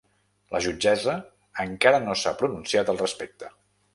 La jutgessa encara no s’ha pronunciat al respecte.